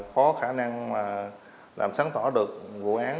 có khả năng làm sáng tỏa được vụ án